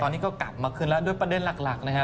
ตอนนี้ก็กลับมาขึ้นแล้วด้วยประเด็นหลักนะฮะ